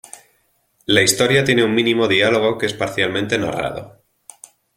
La historia tiene un mínimo diálogo que es parcialmente narrado.